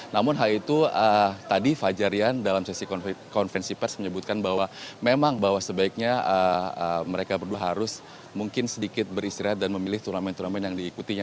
namun hal itu tadi fajar rian dalam sesi konferensi pers menyebutkan bahwa memang bahwa sebaiknya mereka berdua harus mungkin sedikit beristirahat dan memilih turnamen turnamen yang diikutinya